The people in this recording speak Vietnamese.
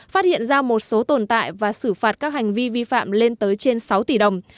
phát hiện ra một số tồn tại và xử phạt các hành vi vi phạm lên tới trên sáu tỷ đồng